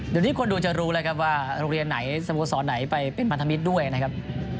เดี๋ยวนี้คนดูจะรู้แล้วครับว่าโรงเรียนไหนสโมสรไหนไปเป็นพันธมิตรด้วยนะครับ